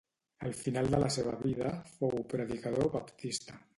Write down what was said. Al final de la seva vida fou predicador baptista